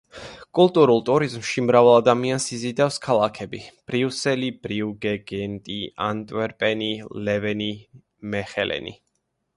კულტურულ ტურიზმში მრავალ ადამიანს იზიდავს ქალაქები: ბრიუსელი, ბრიუგე, გენტი, ანტვერპენი, ლევენი, მეხელენი.